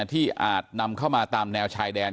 อาจนำเข้ามาตามแนวชายแดน